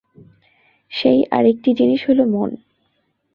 সেই আর একটি জিনিষ হইল মন।